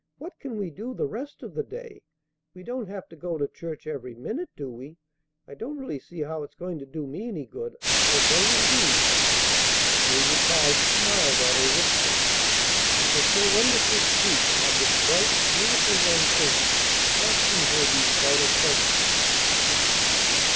What can we do the rest of the day? We don't have to go to church every minute, do we? I don't really see how it's going to do me any good. I don't, indeed." Julia Cloud smiled at her wistfully. It was so wonderfully sweet to have this bright, beautiful young thing asking her these vital questions.